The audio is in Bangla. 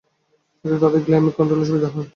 এতে তাদের গ্লাইকেমিক কন্ট্রোলে সুবিধা হয়।